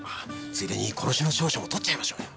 ついでに殺しの調書もとっちゃいましょうよ。